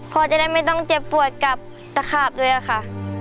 พ่อจะได้ไม่ต้องเจ็บปวดกับตะขาบด้วยค่ะ